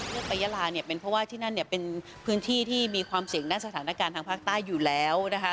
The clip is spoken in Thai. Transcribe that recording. ไปยาลาเนี่ยเป็นเพราะว่าที่นั่นเนี่ยเป็นพื้นที่ที่มีความเสี่ยงด้านสถานการณ์ทางภาคใต้อยู่แล้วนะคะ